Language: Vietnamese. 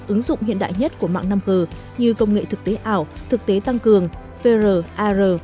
ứng dụng hiện đại nhất của mạng năm g như công nghệ thực tế ảo thực tế tăng cường vr ar